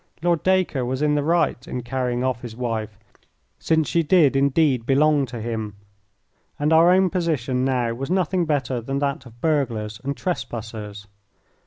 Lord Dacre was in the right in carrying off his wife, since she did indeed belong to him, and our own position now was nothing better than that of burglars and trespassers.